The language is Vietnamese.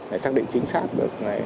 để xác định chính xác được